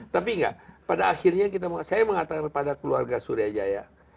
tapi enggak pada akhirnya saya mengatakan kepada keluarga surya jaya